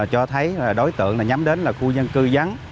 cho thấy đối tượng nhắm đến khu dân cư vắng